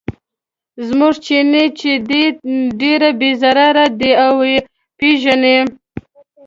زموږ چیني چې دی ډېر بې ضرره دی او یې پیژني.